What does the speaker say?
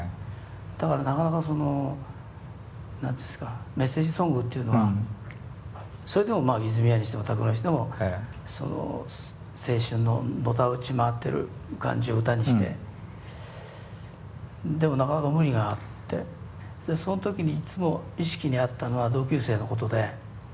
だからなかなかその何て言うんですかメッセージソングっていうのはそれでもまあ泉谷にしても拓郎にしても青春ののたうち回ってる感じを歌にしてでもなかなか無理があってその時にいつも意識にあったのは同級生のことで。